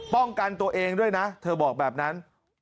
ป้องกันตัวเองด้วยนะเธอบอกแบบนั้น